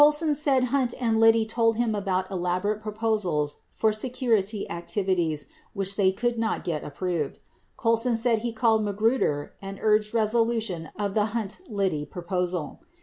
24 son said Hunt and Liddy told him about elaborate proposals for secu rity activities which they could not get approved. Colson said he called Magruder and urged resolution of the Hunt Liddy proposal.